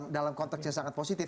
dalam konteks yang sangat positif